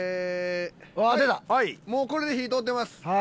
もうこれで火通ってます。